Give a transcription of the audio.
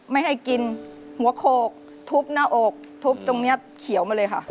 ไม่ให้กินหัวโขกทุบหน้าอกทุบตรงนี้เขียวมาเลยค่ะ